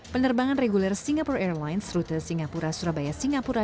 penerbangan reguler singapore airlines rute singapura surabaya singapura